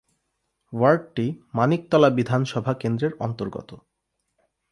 ওয়ার্ডটি মানিকতলা বিধানসভা কেন্দ্রের অন্তর্গত।